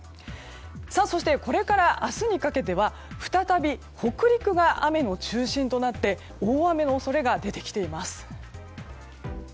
そして、これから明日にかけては再び北陸が雨の中心となって大雨の恐れが出てきています。